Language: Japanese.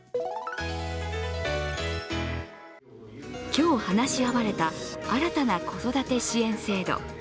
今日、話し合われた新たな子育て支援制度。